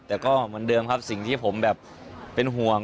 แต่ก็เหมือนเดิมครับสิ่งที่ผมแบบเป็นห่วง